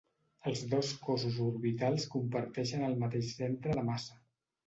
Els dos cossos orbitals comparteixen el mateix centre de massa.